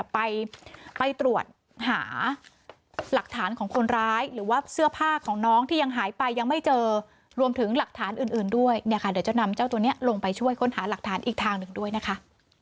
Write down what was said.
ไปเรื่อยค่ะเดี๋ยวจะนำเจ้าตัวเนี้ยลงไปช่วยค้นหาหลักฐานอีกทางหนึ่งด้วยนะคะ